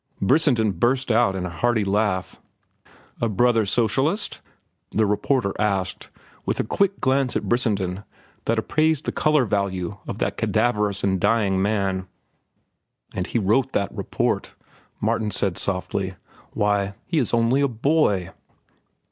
Brissenden burst out in a hearty laugh. "A brother socialist?" the reporter asked, with a quick glance at Brissenden that appraised the color value of that cadaverous and dying man. "And he wrote that report," Martin said softly. "Why, he is only a boy!"